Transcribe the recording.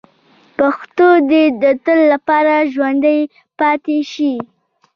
پښتو دې د تل لپاره ژوندۍ پاتې شي.